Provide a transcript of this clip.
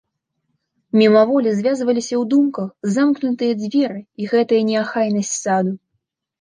Мімаволі звязваліся ў думках замкнутыя дзверы і гэтая неахайнасць саду.